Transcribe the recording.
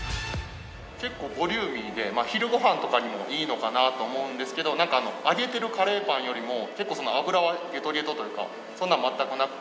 結構ボリューミーで昼ごはんとかにもいいのかなと思うんですけどなんか揚げてるカレーパンよりも結構油はギトギトというかそんなのは全くなくて。